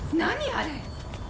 あれ！